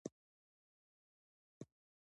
لعل د افغانستان د صادراتو برخه ده.